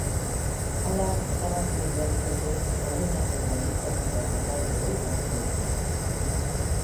Hala, iragarpen berri horiek orain arte baieztatutako taldeei batu zaizkie.